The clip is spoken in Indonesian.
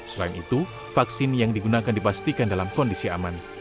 selain itu vaksin yang digunakan dipastikan dalam kondisi aman